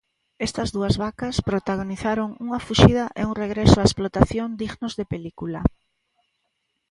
Estas dúas vacas protagonizaron unha fuxida e un regreso á explotación dignos de película.